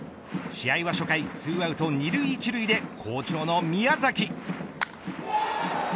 試合は初回２アウト２塁１塁で好調の宮崎。